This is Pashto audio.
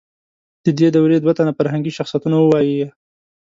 د دې دورې دوه تنه فرهنګي شخصیتونه ووایئ.